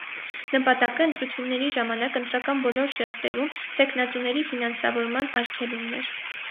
Նպատակը ընտրությունների ժամանակ ընտրական բոլոր շերտերում թեկնածուների ֆինանսավորման արգելումն էր։